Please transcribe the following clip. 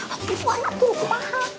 aku puan aku paham